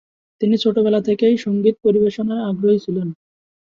তিনি ছোটবেলা থেকেই সঙ্গীত পরিবেশনায় আগ্রহী ছিলেন।